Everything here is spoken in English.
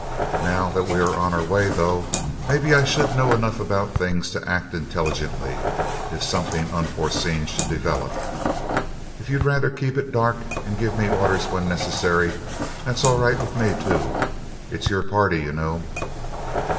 Now that we are on our way, though, maybe I should know enough about things to act intelligently, if something unforeseen should develop. If you'd rather keep it dark and give me orders when necessary, that's all right with me, too. It's your party, you know."